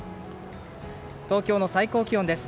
東京の最高気温です。